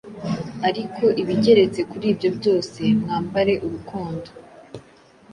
Ariko ibigeretse kuri ibyo byose, mwambare urukundo,